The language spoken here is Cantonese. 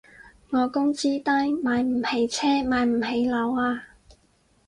我工資低，買唔起車買唔起樓啊